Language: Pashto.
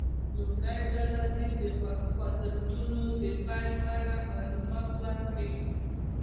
لومړۍ ډله دې د خوځښتونو د پیل په اړه معلومات ورکړي.